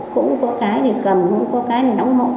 cũng có cái để cầm cũng có cái để đóng hộ